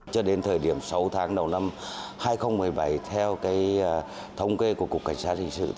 cho đến thời điểm sáu tháng đầu năm hai nghìn một mươi bảy theo thống kê của cục cảnh sát hình sự